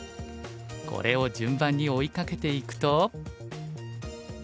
これを順番に追いかけていくと。